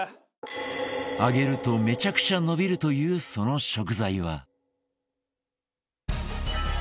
揚げるとめちゃくちゃ伸びるというその食材は